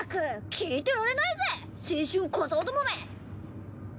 聞いてられないぜ青春小僧どもめ！